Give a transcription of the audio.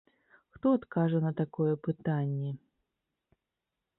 Хто адкажа на такое пытанне?!